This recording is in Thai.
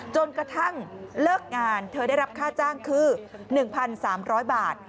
จนกระทั่งเลิกงานเธอได้รับค่าจ้างคือ๑๓๐๐บาท